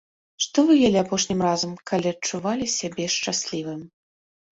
Што вы елі апошнім разам, калі адчувалі сябе шчаслівым?